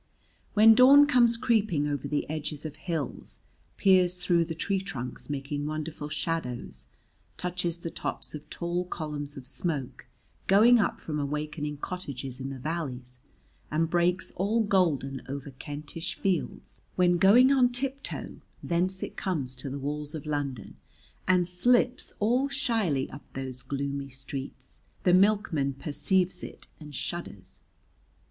When dawn comes creeping over the edges of hills, peers through the tree trunks making wonderful shadows, touches the tops of tall columns of smoke going up from awakening cottages in the valleys, and breaks all golden over Kentish fields, when going on tip toe thence it comes to the walls of London and slips all shyly up those gloomy streets the milkman perceives it and shudders.